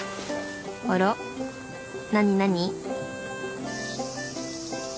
あら何何？